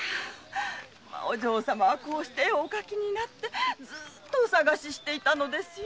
お嬢様はこうして絵を描いてずっとお捜ししていたのですよ。